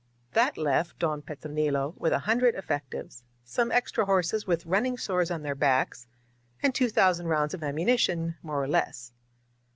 That left Don Petronilo with a hundred effectives, some extra horses with running sores on their backs, and two thousand rounds of ammunition, more or less.